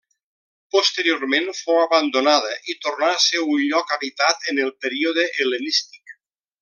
Posteriorment fou abandonada i tornà a ser un lloc habitat en el període hel·lenístic.